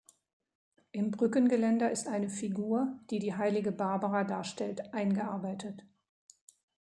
Im Brückengeländer ist eine Figur, die die Heilige Barbara darstellt, eingearbeitet.